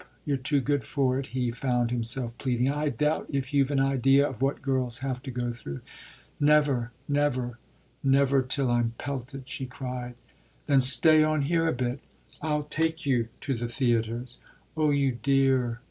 You're too good for it," he found himself pleading. "I doubt if you've an idea of what girls have to go through." "Never, never never till I'm pelted!" she cried. "Then stay on here a bit. I'll take you to the theatres." "Oh you dear!"